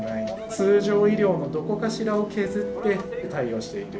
通常医療のどこかしらを削って対応している。